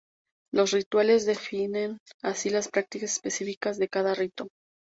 Los rituales definen así las prácticas específicas de cada Rito.